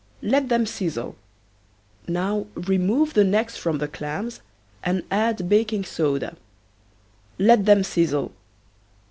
Let them sizzle. Now remove the necks from the clams and add baking soda. Let them sizzle.